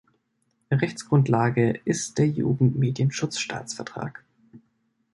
Rechtsgrundlage ist der Jugendmedienschutz-Staatsvertrag.